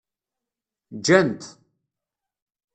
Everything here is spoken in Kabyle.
Ǧǧan-t.